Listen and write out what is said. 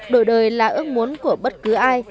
đổi đời là ước muốn của bất cứ ai